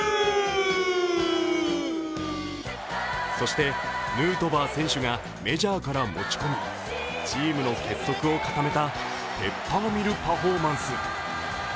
そして、ヌートバー選手がメジャーから持ち込みチームの結束を固めたペッパーミルパフォーマンス。